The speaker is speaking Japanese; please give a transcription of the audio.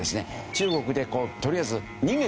中国でとりあえず逃げてみた。